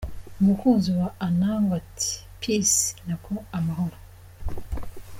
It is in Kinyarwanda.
Umukunzi wa Anangwe ati ’Peace’ nako amahoro .